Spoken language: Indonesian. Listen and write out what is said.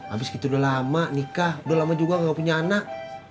abis itu udah lama nikah udah lama juga gak punya anak